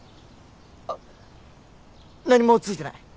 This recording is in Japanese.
あっ何も付いてない。